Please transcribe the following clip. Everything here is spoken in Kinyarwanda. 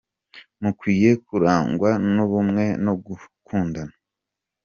Mukwiye kurangwa n’ubumwe no gukundana.